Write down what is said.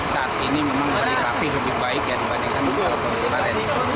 saat ini memang lebih rapih lebih baik ya dibandingkan dulu